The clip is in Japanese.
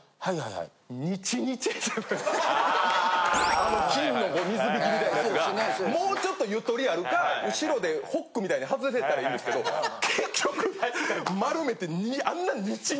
あの金の水引みたいなやつがもうちょっとゆとりあるか後ろでホックみたいに外れたらいいんですけど結局丸めて。